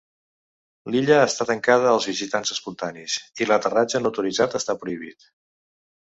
L"illa està tancada als visitants espontanis i l"aterratge no autoritzat està prohibit.